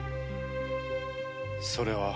それは。